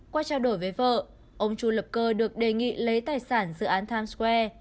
qua trao đổi với vợ ông chu lập cơ được đề nghị lấy tài sản dự án times square